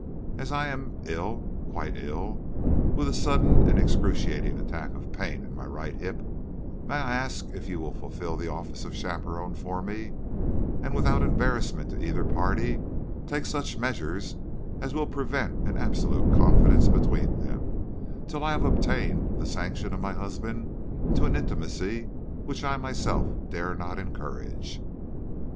As I am ill, quite ill, with a sudden and excruciating attack of pain in my right hip, may I ask if you will fulfill the office of chaperon for me, and, without embarrassment to either party, take such measures as will prevent an absolute confidence between them, till I have obtained the sanction of my husband to an intimacy which I myself dare not encourage?